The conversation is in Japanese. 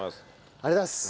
ありがとうございます。